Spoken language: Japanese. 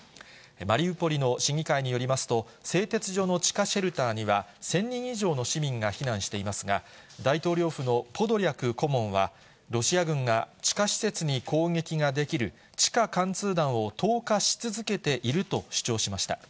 マリウポリの市議会によりますと、製鉄所の地下シェルターには１０００人以上の市民が避難していますが、大統領府のポドリャク顧問は、ロシア軍が地下施設に攻撃ができる、地下貫通弾を投下し続けていると主張しました。